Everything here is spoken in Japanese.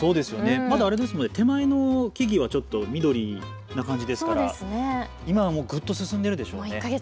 まだ手前の木々はちょっと緑な感じですから今はぐっと進んでいるでしょうね。